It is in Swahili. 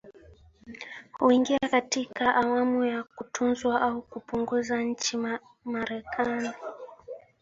huingia katika awamu ya kutunzwa au kupunguka Nchini Marekani